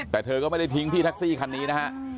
แต่เธอก็ไม่ได้ทิ้งพี่แท็กซี่คันนี้นะฮะ